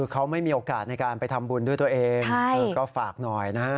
เขาไม่มีโอกาสในการไปทำบุญด้วยตัวเองก็ฝากหน่อยนะฮะ